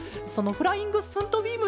フライング・スントビーム！